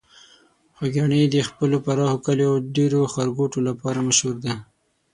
خوږیاڼي د خپلو پراخو کليو او ډیرو ښارګوټو لپاره مشهور ده.